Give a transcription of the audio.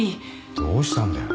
どうしたんだよ。